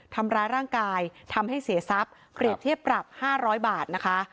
ทำร้ายร่างกายทำให้เสียทรัพย์เปรียบเทียบปรับ๕๐๐บาทนะคะ